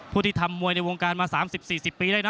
ผู้ที่ทำมวยในวงการมาสามสิบสี่สิบปีได้เนอะ